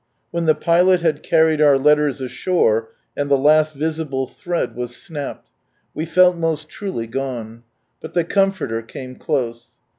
— When the Pilot had carried our letters ashore, and the last visible thread was snapped, we felt most XxvA'j " gone ;" but the Comforter came close.